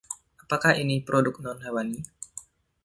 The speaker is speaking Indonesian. Apakah ini produk non-hewani?